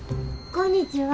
こんにちは。